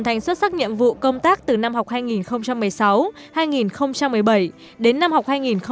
thành xuất sắc nhiệm vụ công tác từ năm học hai nghìn một mươi sáu hai nghìn một mươi bảy đến năm học hai nghìn một mươi bảy hai nghìn một mươi tám